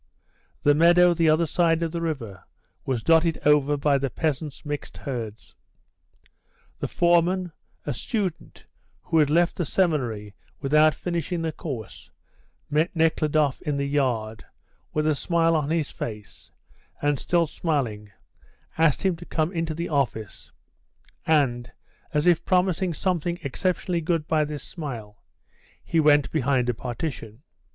The meadow the other side of the river was dotted over by the peasants' mixed herds. The foreman, a student, who had left the seminary without finishing the course, met Nekhludoff in the yard, with a smile on his face, and, still smiling, asked him to come into the office, and, as if promising something exceptionally good by this smile, he went behind a partition.